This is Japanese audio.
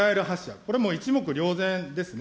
これも一目瞭然ですね。